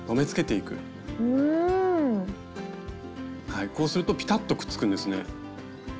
はいこうするとぴたっとくっつくんですね。